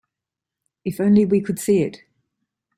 If only we could see it.